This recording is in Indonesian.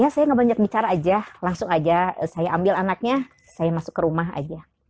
saya ngebanyak bicara aja langsung aja saya ambil anaknya saya masuk ke rumah aja